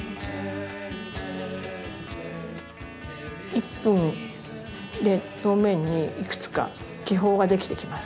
１分で表面にいくつか気泡ができてきます。